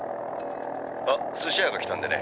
「あっ寿司屋が来たんでね